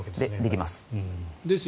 できます。